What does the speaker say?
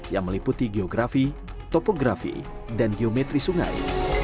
yang meliputi geografi topografi dan geometri sungai